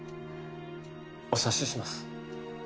お察しします。